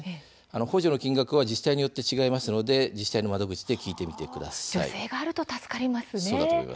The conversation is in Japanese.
補助の金額は自治体によって違いますので自治体の窓口で助成があるとそうですね。